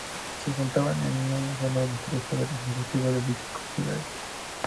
Se juntaban en uno sólo los tres poderes ejecutivos de dichas comunidades.